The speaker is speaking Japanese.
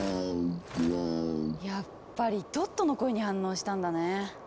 やっぱりトットの声に反応したんだね。